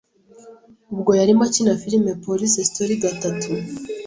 Ubwo yarimo akina filime Police Story gatatu